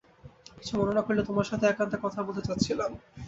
কিছু মনে না করলে তোমার সাথে একান্তে কথা বলতে চাচ্ছিলাম।